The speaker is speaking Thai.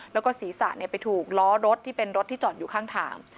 แล้วก็ศีรษะไปถูกล้อรถที่เป็นรถที่จอดอยู่ข้างทาง